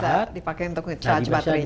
itu bisa dipakai untuk mencarge baterainya